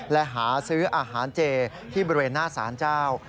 และหาซื้ออาหารเจที่บริเวณหน้าสารเจ้า